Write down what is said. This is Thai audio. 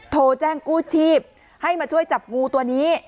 โทรแจ้งกู้ชีพให้มาช่วยจับงูตัวนี้